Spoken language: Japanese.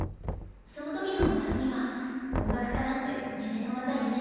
その時の私には音楽科なんて夢のまた夢。